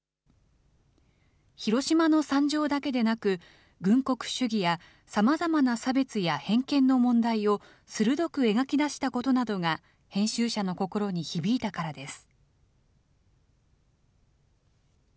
広島の惨状だけでなく、軍国主義やさまざまな差別や偏見の問題を鋭く描き出したことなどが、編集者の心に響いたからです。